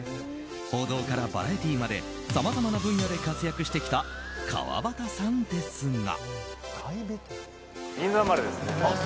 報道からバラエティーまでさまざまな分野で活躍してきた川端さんですが。